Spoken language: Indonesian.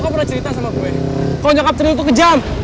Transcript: kamu pernah cerita sama gue kalau nyokap cendil itu kejam